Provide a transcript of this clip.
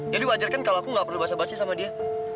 jadi wajar kan kalau aku nggak perlu basa basi sama dia